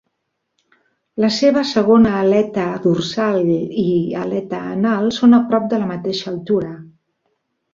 La seva segona aleta dorsal i aleta anal són a prop de la mateixa altura.